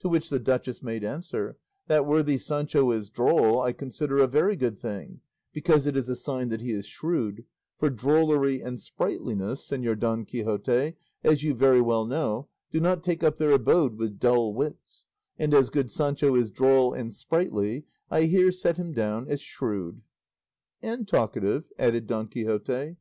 To which the duchess made answer, "that worthy Sancho is droll I consider a very good thing, because it is a sign that he is shrewd; for drollery and sprightliness, Señor Don Quixote, as you very well know, do not take up their abode with dull wits; and as good Sancho is droll and sprightly I here set him down as shrewd." "And talkative," added Don Quixote.